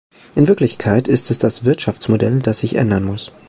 In Wirklichkeit ist es das Wirtschaftsmodell, das sich ändern muss.